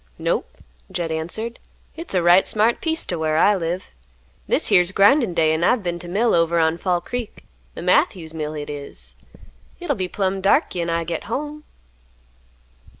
"Nope," Jed answered, "Hit's a right smart piece to whar I live. This here's grindin' day, an' I've been t' mill over on Fall Creek; the Matthews mill hit is. Hit'll be plumb dark 'gin I git home.